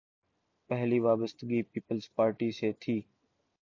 پہلی وابستگی peoples party سے تھی۔